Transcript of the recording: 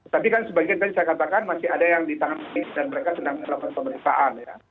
tapi kan sebagian tadi saya katakan masih ada yang di tangan ini dan mereka sedang melakukan pemeriksaan